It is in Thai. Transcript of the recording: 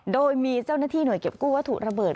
โดยมีเจ้าหน้าที่หน่วยเก็บกู้วัตถุระเบิด